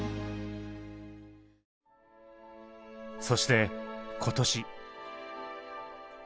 そして今年。